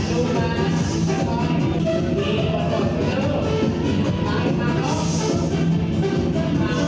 สุดท้ายก็ไม่มีเวลาที่จะรักกับที่อยู่ในภูมิหน้า